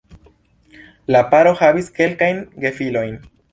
La paro havis kelkajn gefilojn.